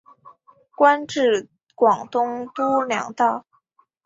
官至广东督粮道。